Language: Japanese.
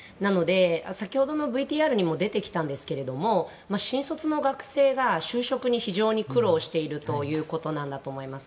先ほどのＶＴＲにも出てきたんですけれども新卒の学生が就職に非常に苦労しているということだと思います。